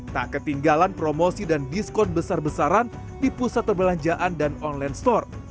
tak ketinggalan promosi dan diskon besar besaran di pusat perbelanjaan dan online store